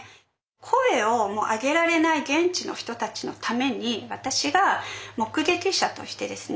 声をもう上げられない現地の人たちのために私が目撃者としてですね